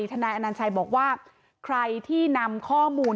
นายอนัญชัยบอกว่าใครที่นำข้อมูล